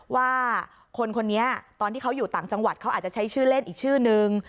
ว่าคนคนนี้ตอนที่เขาอยู่ต่างจังหวัดเขาอาจจะใช้ชื่อเล่นอีกชื่อนึง